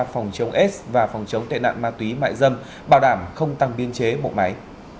phòng chống s và phòng chống tệ nạn ma túy mại dâm bảo đảm không tăng biên chế bộ máy